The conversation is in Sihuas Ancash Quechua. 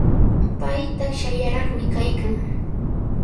Pay takshallaraqmi kaykan.